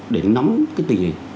để nắm cái tình hình